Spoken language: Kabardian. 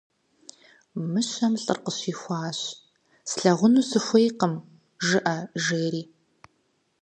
Мыщэм лӀыр къыщихуащ: - «Слъагъуну сыхуейкъым» жыӀэ, - жери.